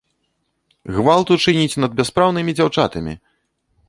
Гвалт учыніць над бяспраўнымі дзяўчатамі!